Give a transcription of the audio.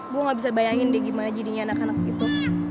gue gak bisa bayangin deh gimana jadinya anak anak gitu